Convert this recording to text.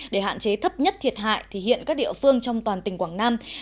để hạn chế thấp nhất thiệt hại hiện các địa phương trong toàn tỉnh quảng nam